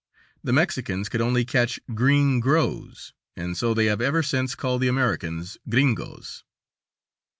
The Mexicans could only catch "green grows" and so they have ever since called the Americans "gringos."